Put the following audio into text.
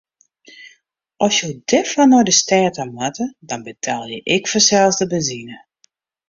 As jo derfoar nei de stêd ta moatte, dan betelje ik fansels de benzine.